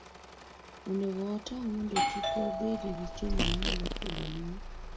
Onego watang' mondo kik wabed gi chuma manyalo kelonwa